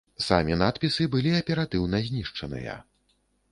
Самі надпісы былі аператыўна знішчаныя.